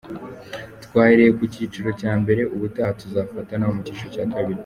Twahereye ku cyiciro cya mbere, ubutaha tuzafata nabo mu cyiciro cya kabiri.